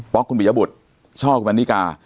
ป๊อกคุณบิจบุษช่อกุณบันนิกา